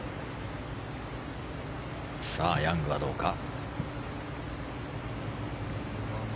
ヤングはどうか。